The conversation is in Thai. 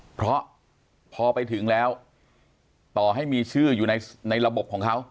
เพราะพอไปถึงแล้วต่อให้มีชื่ออยู่ในระบบของเขา